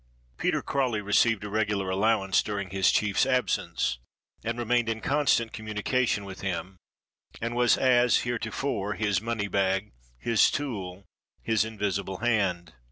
PETER CRAWLEY received a regular allowance during his chief's absence and remained in constant communication with him, and was as heretofore his money bag, his tool, his invisible hand.